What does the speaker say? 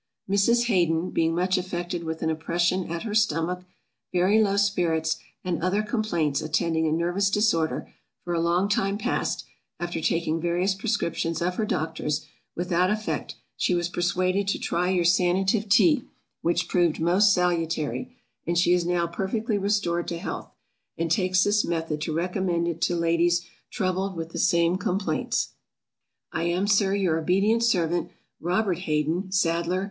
_ Mrs. HAYDEN being much affected with an oppression at her stomach, very low spirits, and other complaints attending a nervous disorder, for a long time past, after taking various prescriptions of her doctors, without effect, she was persuaded to try your Sanative Tea, which proved most salutary, and she is now perfectly restored to health; and takes this method to recommend it to Ladies troubled with the same complaints. I am, Sir, your obedient servant, ROBERT HAYDEN, Sadler.